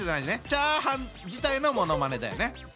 チャーハン自体のものまねだよね？